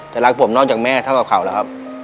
รักผมนอกจากแม่เท่ากับเขาแล้วครับ